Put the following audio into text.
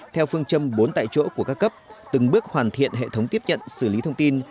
theo phương châm bốn tại chỗ của các cấp từng bước hoàn thiện hệ thống tiếp nhận xử lý thông tin